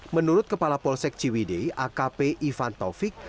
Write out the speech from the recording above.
menurut kepala polsek ciwidei akp ivan taufik